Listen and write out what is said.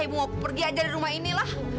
ibu mau pergi aja dari rumah inilah